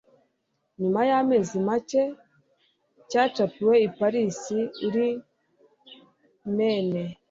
Nyuma y'amezi make cyacapiwe i Paris uri Maine